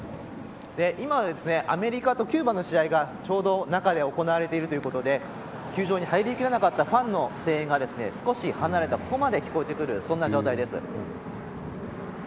今、アメリカとキューバの試合がちょうど中で行われているということで球場に入りきれなかったファンの声援が少し離れたここまで聞こえてくる状態です。